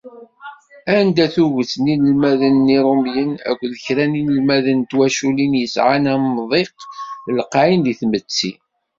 Anda tuget n yinelmaden d Irumyen akked kra n yinelmaden n twaculin yesεan amḍiq lqayen deg tmetti.